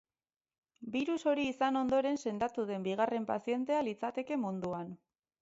Birus hori izan ondoren sendatu den bigarren pazientea litzateke munduan.